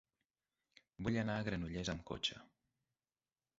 Vull anar a Granollers amb cotxe.